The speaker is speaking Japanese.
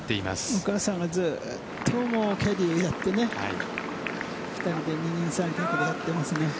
お母さんがずっとキャディーをやって２人で二人三脚でやってますね。